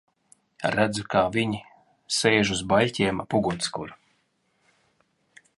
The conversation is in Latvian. Redzu, kā viņi sēž uz baļķiem ap ugunskuru.